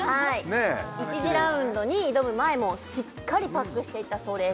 １次ラウンドに挑む前もしっかりパックしていったそうです